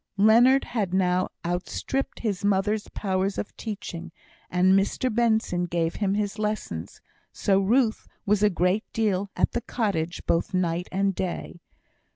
Leonard had now outstript his mother's powers of teaching, and Mr Benson gave him his lessons; so Ruth was a great deal at the cottage both night and day.